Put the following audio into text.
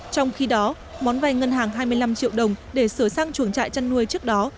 trong khi đó món vay ngân hàng hai mươi năm triệu đồng để sửa sang chuồng trại chăn nuôi trước đó